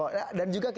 baik pak agus